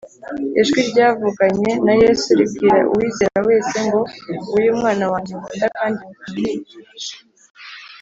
. Ijwi ryavuganye na Yesu ribwira uwizera wese ngo Nguyu umwana wanjye nkunda kandi nkamwishi